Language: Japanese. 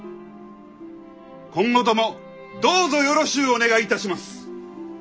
今後ともどうぞよろしゅうお願いいたします！